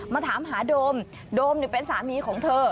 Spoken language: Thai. มาถามหาโดมโดมเป็นสามีของเธอ